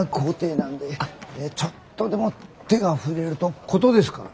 ちょっとでも手が触れると事ですから。